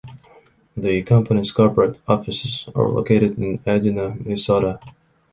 The company's corporate offices are located in Edina, Minnesota.